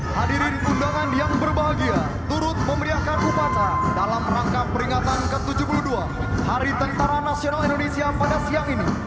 hadirin undangan yang berbahagia turut memeriahkan upacara dalam rangka peringatan ke tujuh puluh dua hari tentara nasional indonesia pada siang ini